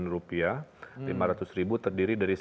tujuh lima ratus ribu terdiri dari